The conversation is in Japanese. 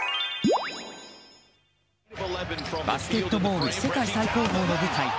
バスケットボール世界最高峰の舞台